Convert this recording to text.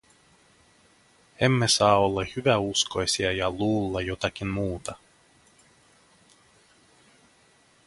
Emme saa olla hyväuskoisia ja luulla jotakin muuta.